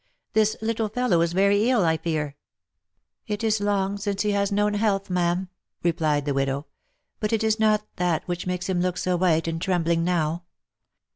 — This little fellow is very ill, I fear." " It is long since he has known health, ma'am," replied the widow ;" but it is not that which makes him look so white and trembling now.